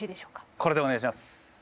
これでお願いします。